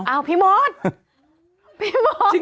อ้าวพี่มศ